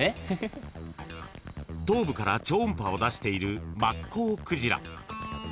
［頭部から超音波を出しているマッコウクジラ］